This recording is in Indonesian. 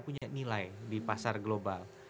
punya nilai di pasar global